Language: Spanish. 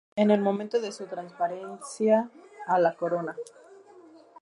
En el momento de su transferencia a la corona